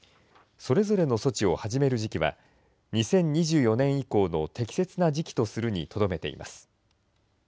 それぞれの措置を始める時期は、２０２４年以降の適切な時期とするにとどめています。